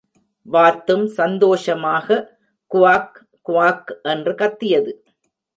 வாத்தும் சந்தோஷமாக, quack, quack என்று கத்தியது.